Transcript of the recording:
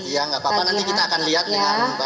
ya gak apa apa nanti kita akan lihat ya